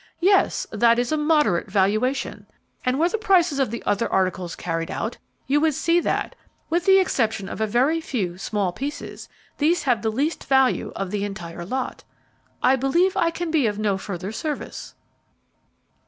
"Yes; that is a moderate valuation. And were the prices of the other articles carried out, you would see that, with the exception of a few very small pieces, these have the least value of the entire lot. I believe I can be of no further service."